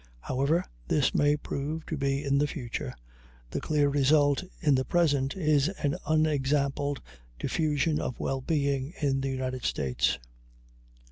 However this may prove to be in the future, the clear result in the present is an unexampled diffusion of well being in the United States.